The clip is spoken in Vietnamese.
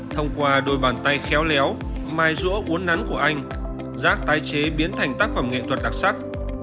thông qua đôi bàn tay khéo léo mai rũa uốn nắn của anh rác tái chế biến thành tác phẩm nghệ thuật đặc sắc